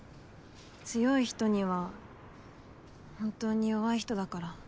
強い人には本当に弱い人だから。